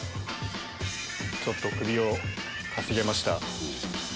ちょっと首をかしげました。